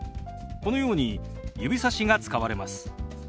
このように指さしが使われます。